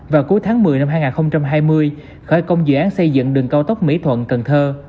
vào cuối tháng một mươi năm hai nghìn hai mươi khởi công dự án xây dựng đường cao tốc mỹ thuận cần thơ